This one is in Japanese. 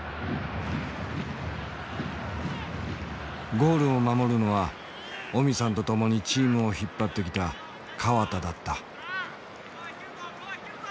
ゴールを守るのはオミさんと共にチームを引っ張ってきた河田だった。